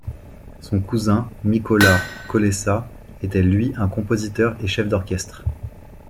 Son cousin Mykola Kolessa était lui un compositeur et chef d'orchestre.